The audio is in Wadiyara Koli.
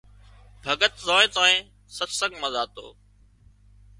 ڀڳت زانئين تانئين ستسنگ مان زاتو